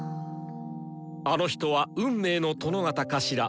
「あの人は運命の殿方かしら。